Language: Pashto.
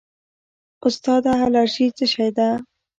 استاده الرژي څه شی ده